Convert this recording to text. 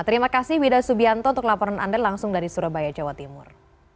terima kasih wida subianto untuk laporan anda langsung dari surabaya jawa timur